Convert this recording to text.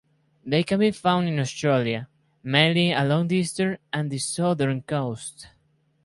They can be found in Australia, mainly along the eastern and southern coasts.